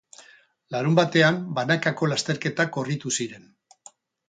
Larunbatean banakako lasterketak korritu ziren.